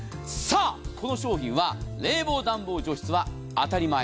この商品は冷房、暖房、除湿は当たり前。